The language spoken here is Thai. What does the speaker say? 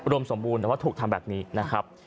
สมบูรณ์แต่ว่าถูกทำแบบนี้นะครับ